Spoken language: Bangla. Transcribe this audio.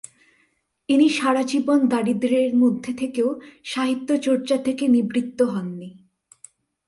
ইনি সারাজীবন দারিদ্র্যের মধ্যে থেকেও সাহিত্য চর্চা থেকে নিবৃত্ত হন নি।